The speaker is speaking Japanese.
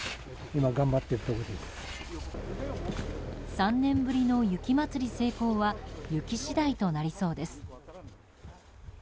３年ぶりの雪まつり成功は雪次第となりそうです。